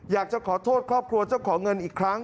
อยากจะขอโทษครอบครัวเจ้าของเงินอีกครั้ง